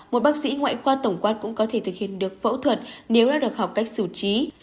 một bác sĩ ngoại khoa tổng quan cũng có thể thực hiện được phẫu thuật nếu đã được học cách xử trí